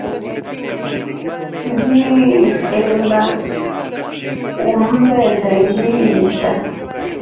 Ngiliemba umvende ngiliisha.